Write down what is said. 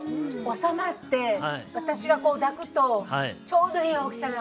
収まって私がこう抱くとちょうどいい大きさなの！